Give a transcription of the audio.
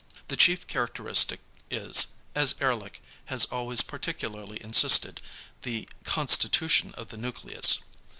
The chief characteristic is, as Ehrlich has always particularly insisted, the =constitution of the nucleus=.